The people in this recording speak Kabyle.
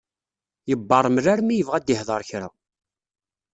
Yebbeṛmel armi yebɣa ad d-ihder kra.